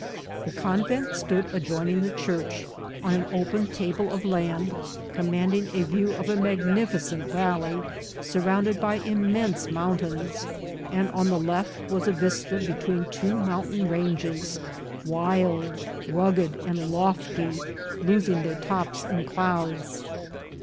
The convent stood adjoining the church, on an open table of land, commanding a view of a magnif icent valley surrounded by immense mountains, and on the left was a vista between two mountain ranges, wild, rugged, and lofty, losing their tops in clouds.